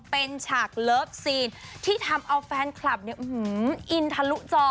เป็นฉากเลิฟซีนที่ทำเอาแฟนคลับเนี่ยอินทะลุจอ